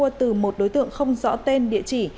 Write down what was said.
và đối tượng không rõ tên địa chỉ